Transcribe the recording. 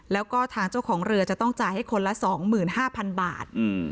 แล้วก็ทางเจ้าของเรือจะต้องจ่ายให้คนละ๒๕๐๐๐บาท